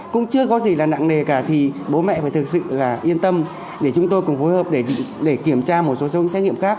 cũng chưa có gì là nặng nề cả thì bố mẹ phải thực sự là yên tâm để chúng tôi cùng phối hợp để kiểm tra một số dấu xét nghiệm khác